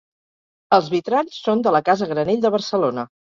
Els vitralls són de la casa Granell de Barcelona.